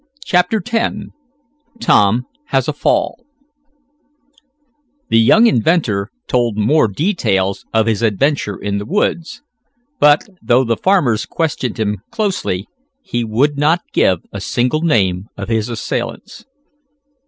CHAPTER X TOM HAS A FALL The young inventor told more details of his adventure in the woods, but, though the farmers questioned him closely, he would not give a single name of his assailants.